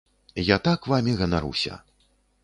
Я так вамі ганаруся.